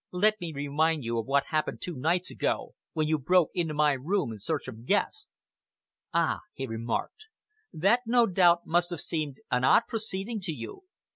"Let me remind you of what happened two nights ago, when you broke into my room in search of Guest." "Ah!" he remarked, "that, no doubt, must have seemed an odd proceeding to you.